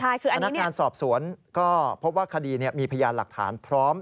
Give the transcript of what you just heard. คือพนักงานสอบสวนก็พบว่าคดีมีพยานหลักฐานพร้อม